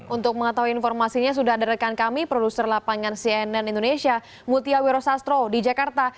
untuk mengetahui informasinya sudah ada rekan kami produser lapangan cnn indonesia mutia wiro sastro di jakarta